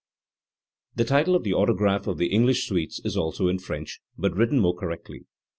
The title of the autograph of the English suites is also in French, but written more correctly.